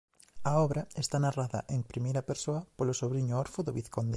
A obra está narrada en primeira persoa polo sobriño orfo do vizconde.